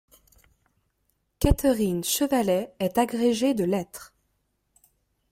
Catherine Chevalley est agrégée de lettres.